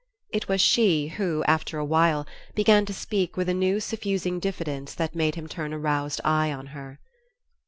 It was she who, after awhile, began to speak with a new suffusing diffidence that made him turn a roused eye on her.